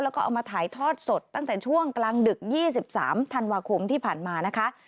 แล้วก็เอามาถ่ายทอดสดตั้งแต่ช่วงกลางดึก๒๓ธันวาคมที่ผ่านมานะคะ